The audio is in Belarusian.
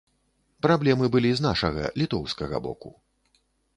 Праблемы былі з нашага, літоўскага боку.